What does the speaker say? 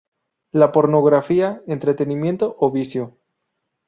La Pornografía, ¿entretenimiento o vicio?.